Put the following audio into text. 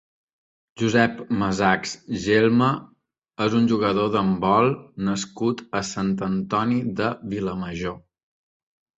Josep Masachs Gelma és un jugador d'handbol nascut a Sant Antoni de Vilamajor.